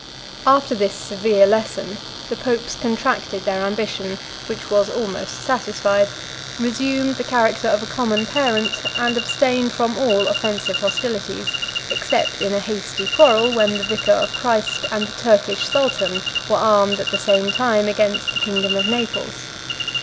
90 After this severe lesson, the popes contracted their ambition, which was almost satisfied, resumed the character of a common parent, and abstained from all offensive hostilities, except in a hasty quarrel, when the vicar of Christ and the Turkish sultan were armed at the same time against the kingdom of Naples.